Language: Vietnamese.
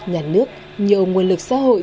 nhà nước nhiều nguồn lực xã hội